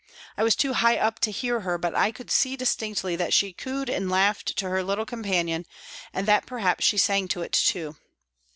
I was too high up to hear her, but I could see distinctly that she cooed and laughed to her little companion, and perhaps she sang to it too.